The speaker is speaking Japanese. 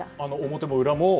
表も裏も？